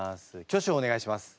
挙手をお願いします。